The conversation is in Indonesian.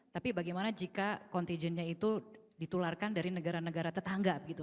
tapi bagaimana jika contigennya itu ditularkan dari negara negara tetangga gitu